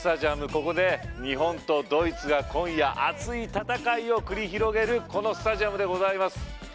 ここで日本とドイツが今夜、熱い戦いを繰り広げるスタジアムです。